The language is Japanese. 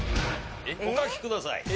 お書きください。